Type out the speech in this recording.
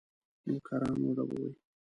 نوکران وډبوي.